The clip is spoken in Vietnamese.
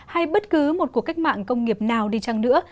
hay bất cứ một cuộc cách mạng công nghiệp nào đi chăng nữa